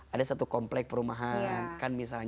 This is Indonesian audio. ada satu komplek perumahan